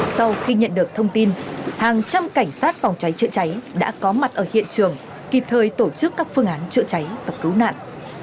sau khi nhận được thông tin hàng trăm cảnh sát phòng cháy chữa cháy đã có mặt ở hiện trường kịp thời tổ chức các phương án chữa cháy và cứu nạn